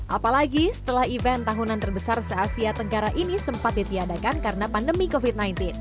apalagi setelah event tahunan terbesar se asia tenggara ini sempat ditiadakan karena pandemi covid sembilan belas